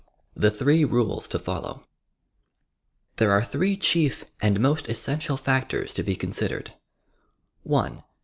THE THBEE RUIJS TO FOLLOW There are three chief and most essential factors to be considered :—